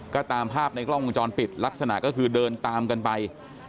ก็ตามภาพในกล้องวงจรปิดลักษณะก็คือเดินตามกันไป